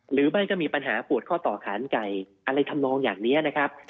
หรือไม่ก็มีปัญหาปวดข้อต่อขานไก่อะไรทำนองอย่างนี้นะครับ